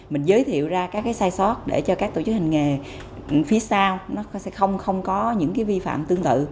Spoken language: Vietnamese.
mình giới thiệu ra các sai sót để cho các tổ chức hành nghệ phía sau sẽ không có những vi phạm tương tự